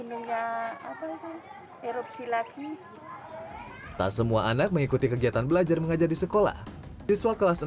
erupsi lagi tak semua anak mengikuti kegiatan belajar mengajar di sekolah siswa kelas enam